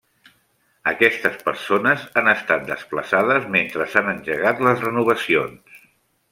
Aquestes persones han estat desplaçades mentre s'han engegat les renovacions.